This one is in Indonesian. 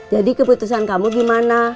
jadi keputusan kamu gimana